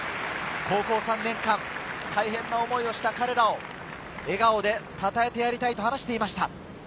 高校３年間、大変な思いをした彼らを笑顔でたたえてやりたいと話していました。